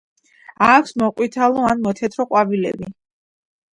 აქვს მოყვითალო ან მოთეთრო ყვავილები.